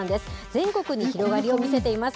全国に広がりを見せています。